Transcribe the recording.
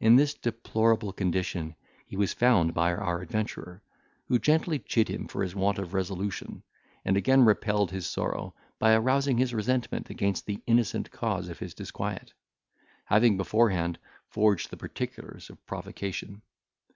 In this deplorable condition he was found by our adventurer, who gently chid him for his want of resolution, and again repelled his sorrow, by arousing his resentment against the innocent cause of his disquiet, having beforehand forged the particulars of provocation.